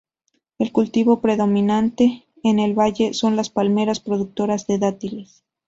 El cultivo predominante en el valle son las palmeras, productoras de dátiles.